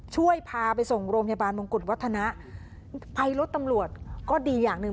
ช่วยพาไปส่งโรงพยาบาลมงกุฎวัฒนะภัยรถตำรวจก็ดีอย่างหนึ่ง